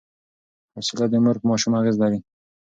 حوصله د مور په ماشوم اغېز لري.